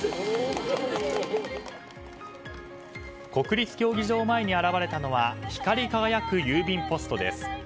国立競技場前に現れたのは光り輝く郵便ポストです。